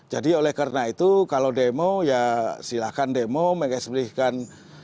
jadi oleh karena itu kalau demo ya silahkan demo mengesmrihkan